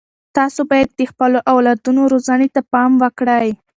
تاسو باید د خپلو اولادونو روزنې ته پام وکړئ.